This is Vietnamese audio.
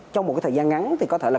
trong một thời gian ngắn thì có thể là